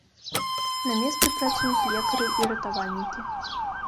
На месцы працуюць лекары і ратавальнікі.